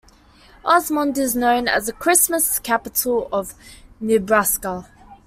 Osmond is known as the Christmas Capital of Nebraska.